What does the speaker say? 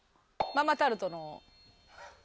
ママタルト？